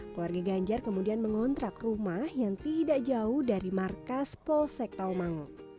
keluarga ganjar kemudian mengontrak rumah yang tidak jauh dari markas polsek taomango